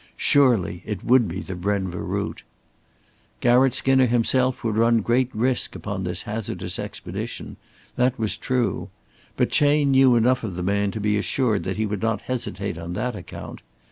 Surely, it would be the Brenva route! Garratt Skinner himself would run great risk upon this hazardous expedition that was true. But Chayne knew enough of the man to be assured that he would not hesitate on that account.